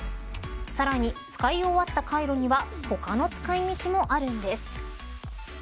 さらに、使い終わったカイロには他の使い道もあるんです。